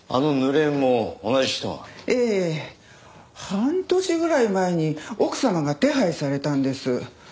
半年ぐらい前に奥様が手配されたんです。